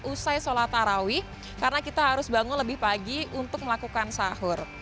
usai sholat tarawih karena kita harus bangun lebih pagi untuk melakukan sahur